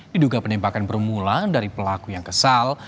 diduga penembakan bermula dari pelaku yang kesal